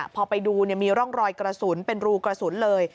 พอไปดูมีร่องรอยกระสุนเป็นรูกระสุนเลย